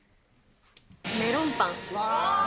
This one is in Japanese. メロンパン。